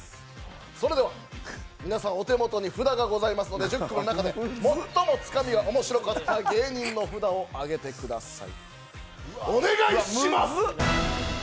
それでは、皆さんお手元に札がありますので、１０組の中で最もつかみが面白かった芸人の札を上げてください。